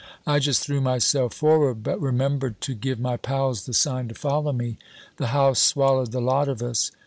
I just threw myself forward, but remembered to give my pals the sign to follow me. The house swallowed the lot of us.